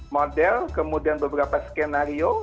model kemudian beberapa skenario